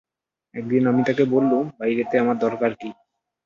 একদিন আমি তাঁকে বললুম, বাইরেতে আমার দরকার কী?